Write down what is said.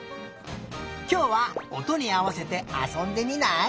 きょうはおとにあわせてあそんでみない？